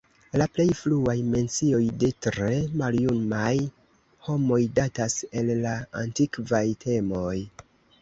La plej fruaj mencioj de tre maljumaj homoj datas el la antikvaj tempoj.